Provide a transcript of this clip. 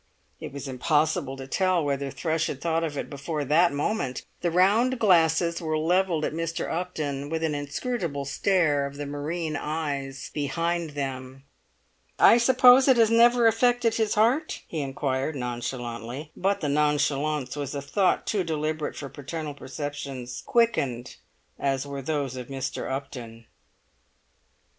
It was impossible to tell whether Thrush had thought of it before that moment. The round glasses were levelled at Mr. Upton with an inscrutable stare of the marine eyes behind them. "I suppose it has never affected his heart?" he inquired nonchalantly; but the nonchalance was a thought too deliberate for paternal perceptions quickened as were those of Mr. Upton.